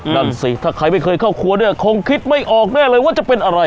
นั่นสิถ้าใครไม่เคยเข้าครัวเนี่ยคงคิดไม่ออกแน่เลยว่าจะเป็นอะไร